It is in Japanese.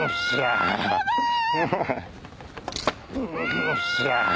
おっしゃ！